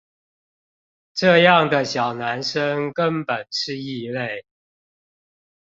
這樣的小男生跟本是異類